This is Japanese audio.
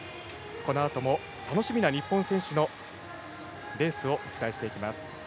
このあとも楽しみな日本選手のレースをお伝えしていきます。